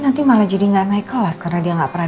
nanti malah jadi nggak naik kelas karena dia nggak pernah